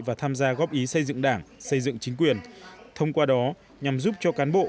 và tham gia góp ý xây dựng đảng xây dựng chính quyền thông qua đó nhằm giúp cho cán bộ